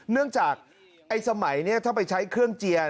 เนื่องจากสมัยนี้ถ้าไปใช้เครื่องเจียร์